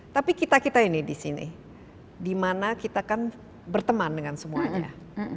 tapi kita kita ini di sini dimana kita kan berteman dengan semuanya